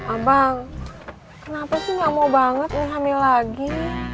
abang kenapa sih gak mau banget ini hamil lagi